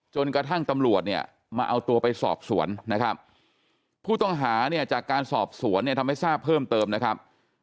จนกระทั่งตำรวจเนี่ยมาเอาตัวไปสอบสวนนะครับผู้ต้องหาเนี่ยจากการสอบสวนเนี่ยทำให้ทราบเพิ่มเติมนะครับ